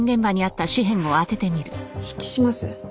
一致します。